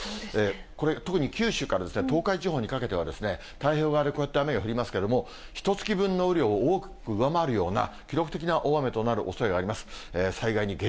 これ、特に九州から東海地方にかけては、太平洋側でこうやって雨が降りますけれども、ひとつき分の雨量を大きく上回るような、記録的な大雨となるおそれがあります。